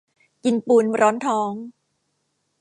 กินปูนร้อนท้อง